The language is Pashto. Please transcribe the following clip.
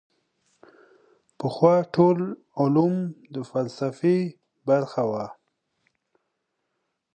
پخوا ټول علوم د فلسفې برخه وه.